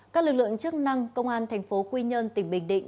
các lực lượng chức năng công an thành phố quy nhơn tỉnh bình định